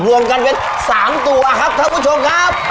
รวมกันเป็น๓ตัวครับท่านผู้ชมครับ